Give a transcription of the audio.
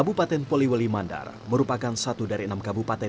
kabupaten poliwali mandar merupakan satu dari enam kabupaten